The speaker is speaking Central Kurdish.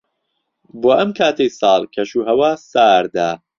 بۆ ئەم کاتەی ساڵ، کەشوهەوا ساردە.